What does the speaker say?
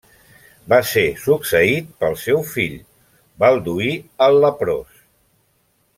Va ser succeït pel seu fill Balduí el Leprós.